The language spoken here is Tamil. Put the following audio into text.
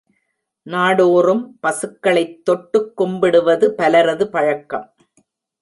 நாடோறும் பசுக்களைத் தொட்டுக் கும்பிடுவது பலரது பழக்கம்.